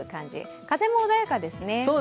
風も穏やかですね。